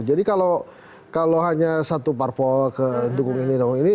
jadi kalau hanya satu parpol ke dukung ini dukung ini